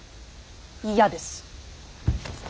嫌です。